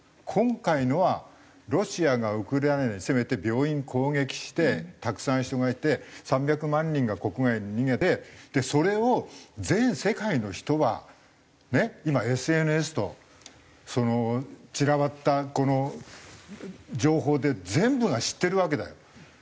今回のはロシアがウクライナに攻めて病院攻撃してたくさん人がいて３００万人が国外に逃げてそれを全世界の人はね今ＳＮＳとその散らばったこの情報で全部が知ってるわけだよ。